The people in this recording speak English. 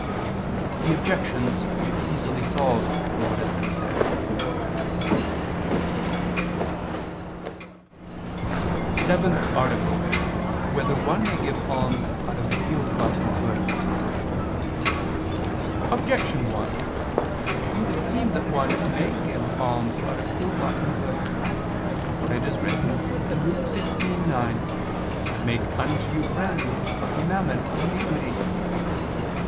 The objections may be easily solved from what has been said. _______________________ SEVENTH ARTICLE [II II, Q. 32, Art. 7] Whether One May Give Alms Out of Ill gotten Goods? Objection 1: It would seem that one may give alms out of ill gotten goods. For it is written (Luke 16:9): "Make unto you friends of the mammon of iniquity."